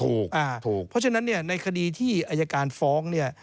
ถูกเพราะฉะนั้นเนี่ยในคดีที่อายการฟ้องเนี่ย